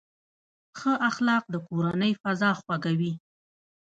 ښه اخلاق د کورنۍ فضا خوږوي.